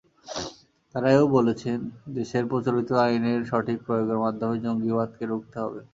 তাঁরা এ-ও বলেছেন, দেশের প্রচলিত আইনের সঠিক প্রয়োগের মাধ্যমেই জঙ্গিবাদকে রুখতে হবে।